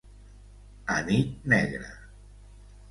A nit negra.